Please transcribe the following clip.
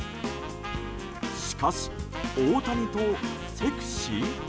しかし、大谷とセクシー？